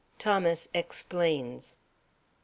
THOMAS EXPLAINS. Mr.